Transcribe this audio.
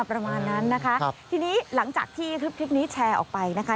ประมาณนั้นนะคะทีนี้หลังจากที่คลิปนี้แชร์ออกไปนะคะ